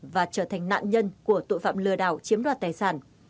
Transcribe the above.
và trở thành nạn nhân của tội phạm lừa đảo chiếm đoạt tài sản